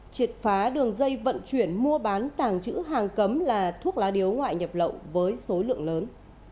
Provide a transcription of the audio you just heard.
triệt phá đường dây vận chuyển mua bán tàng chữ hàng cấm là thuốc lá điếu ngoại nhập lậu với số lượng lớn